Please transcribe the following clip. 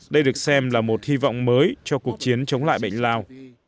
đây được xem là một hy vọng mới cho cuộc chiến chống lại bệnh lao